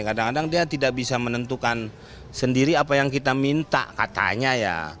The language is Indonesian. kadang kadang dia tidak bisa menentukan sendiri apa yang kita minta katanya ya